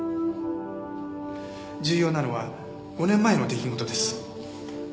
重要なのは５年前の出来事です。